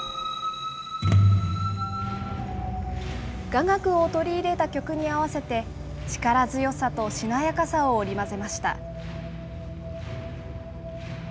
雅楽を取り入れた曲に合わせて、力強さとしなやかさを織り交ぜました。